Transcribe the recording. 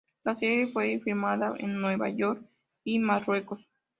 La serie fue filmada en Nueva York y Marruecos.